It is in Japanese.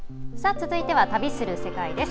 続いては「旅する世界」です。